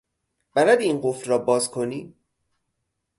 بلدی این قفل را باز کنی؟